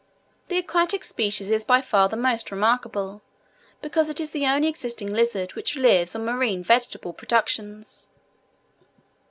The aquatic species is by far the most remarkable, because it is the only existing lizard which lives on marine vegetable productions.